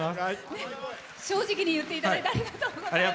正直に言っていただいてありがとうございます。